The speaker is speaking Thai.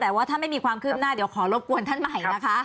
แต่ว่าถ้าไม่มีความคืบหน้าเดี๋ยวขอรบกวนท่านใหม่นะคะ